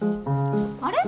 あれ？